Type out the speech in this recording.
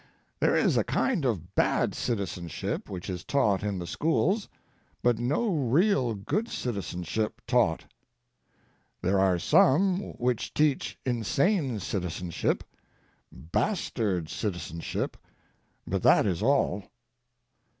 There is a kind of bad citizenship which is taught in the schools, but no real good citizenship taught. There are some which teach insane citizenship, bastard citizenship, but that is all.